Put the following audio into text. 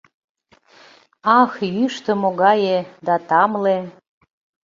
Ах, йӱштӧ могае да тамле!